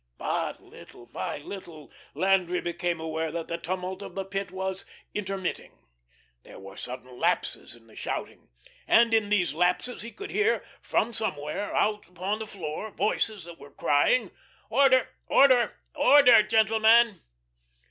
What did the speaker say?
But, little by little, Landry became aware that the tumult of the Pit was intermitting. There were sudden lapses in the shouting, and in these lapses he could hear from somewhere out upon the floor voices that were crying: "Order order, order, gentlemen."